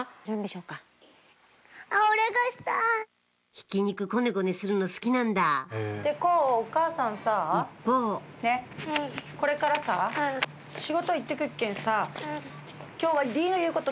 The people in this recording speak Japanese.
ひき肉こねこねするの好きなんだ一方これからさ仕事行って来っけんさ。